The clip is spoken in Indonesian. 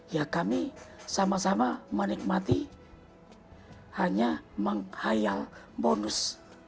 ya kami sama sama menikmati hanya menghayal bonus